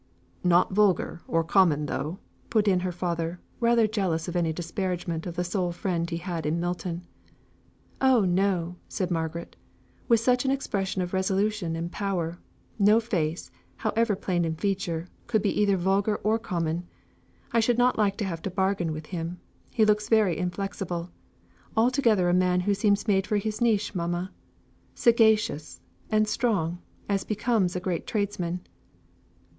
"Not vulgar or common though," put in her father, rather jealous of any disparagement of the sole friend he had in Milton. "Oh, no!" said Margaret. "With such an expression of resolution and power, no face, however plain in feature, could be either vulgar or common. I should not like to have to bargain with him; he looks very inflexible. Altogether a man who seems made for his niche, mamma; sagacious, and strong, as becomes a great tradesman."